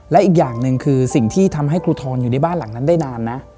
และอีกอย่างหนึ่งคือสิ่งที่ทำให้ครูทรอยู่ในบ้านหลังนั้นได้นานนะ